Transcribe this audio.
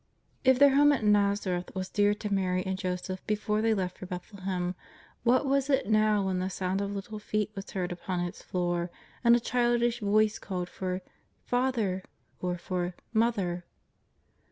If their home at l^azareth was dear to Mary and Jo seph before they left for Bethlehem, what was it now when the sound of little feet was heard upon its floor, and a childish voice called for " Father " or for '^ Mo ther!''